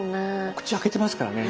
口開けてますからね。